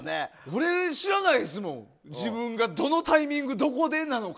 俺、知らないですもん、自分がどのタイミングでどこでなのか。